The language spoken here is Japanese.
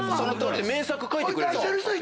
名作書いてくれる勝手に。